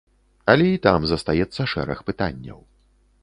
Але і там застаецца шэраг пытанняў.